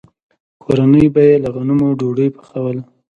کورنۍ به یې له غنمو ډوډۍ پخوله.